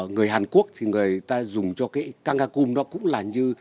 người hàn quốc thì người ta dùng cho cái kanakum nó cũng là như